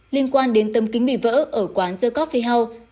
liên quan đến tâm kính bị vỡ ở quán the coffee house